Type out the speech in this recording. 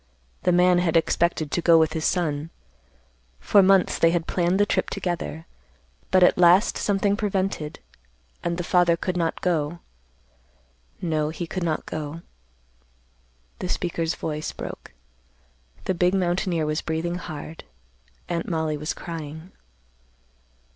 The man had expected to go with his son. For months they had planned the trip together, but at last something prevented, and the father could not go—no, he could not go—" The speaker's voice broke; the big mountaineer was breathing hard; Aunt Mollie was crying.